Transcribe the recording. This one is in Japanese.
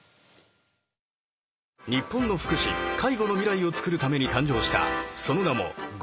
「日本の福祉・介護の未来をつくるために誕生したその名も『ＧＯ！ＧＯ！